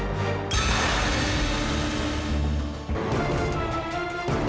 nggak ada yang nunggu